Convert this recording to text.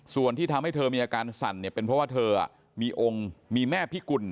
ส่วนที่ทำให้เธอมีอาการสั่นเนี่ยเป็นเพราะว่าเธอมีองค์มีแม่พิกุล